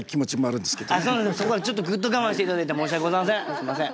すみません。